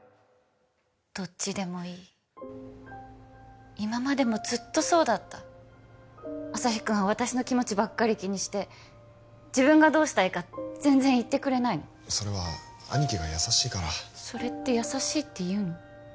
どっちでもいい今までもずっとそうだった旭君は私の気持ちばっかり気にして自分がどうしたいか全然言ってくれないのそれは兄貴が優しいからそれって優しいっていうの？